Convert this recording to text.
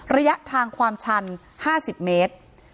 ระยะทางความชัน๕๐เมตร